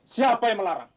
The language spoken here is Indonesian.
siapa yang melarang